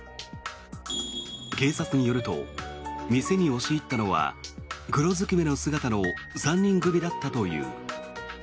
警察によると店に押し入ったのは黒ずくめの姿の３人組だったという。